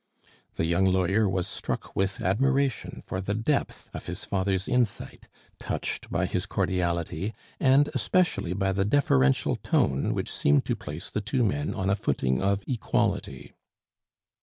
The young lawyer was struck with admiration for the depth of his father's insight, touched by his cordiality, and especially by the deferential tone which seemed to place the two men on a footing of equality.